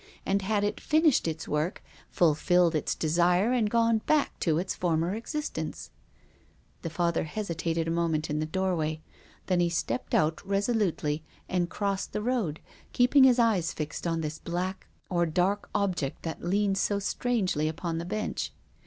And had it finished its work, fulfilled its desire and gone back to its former existence ? The Father hesitated a moment in the doorway. Then he stepped out resolutely and crossed the road, keeping his eyes fixed upon this black or dark object that leaned so strangely upon the bench.